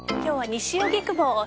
西荻窪。